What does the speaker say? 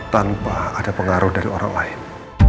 tanpa ada pengaruh dari orang lain